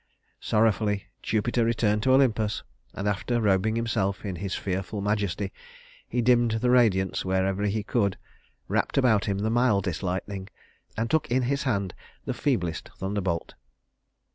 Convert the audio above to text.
Sorrowfully Jupiter returned to Olympus, and after robing himself in his fearful majesty, he dimmed the radiance wherever he could, wrapped about him the mildest lightning, and took in his hand the feeblest thunderbolt.